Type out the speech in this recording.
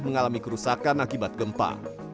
mengalami kerusakan akibat gempa